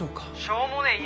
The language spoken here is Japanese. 「しょうもねえ